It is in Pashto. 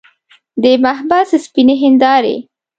د محبس سپینې هندارې.